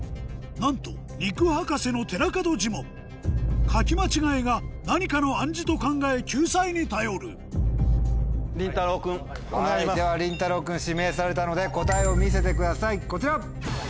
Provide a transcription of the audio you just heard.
なんと肉博士の寺門ジモン書き間違えが何かの暗示と考え救済に頼るではりんたろう君指名されたので答えを見せてくださいこちら！